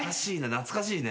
懐かしいね。